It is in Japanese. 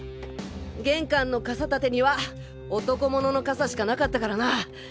玄関の傘立てには男ものの傘しかなかったからな。